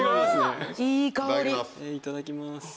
いただきます。